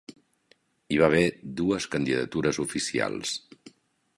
Hi va haver dues candidatures oficials.